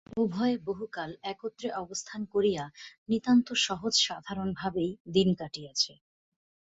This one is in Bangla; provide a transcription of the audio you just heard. উভয়ে বহুকাল একত্রে অবস্থান করিয়া নিতান্ত সহজ সাধারণ ভাবেই দিন কাটিয়াছে।